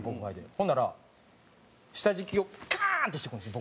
ほんなら下敷きをカーン！ってしてくるんですよ